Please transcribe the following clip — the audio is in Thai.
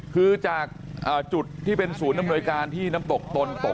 คือจากจุดสูงนำนวยการที่น้ำตกตนตก